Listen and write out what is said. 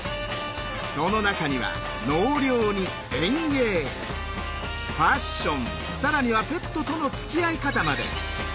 その中には納涼に園芸ファッション更にはペットとのつきあい方まで。